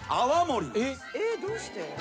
えっどうして？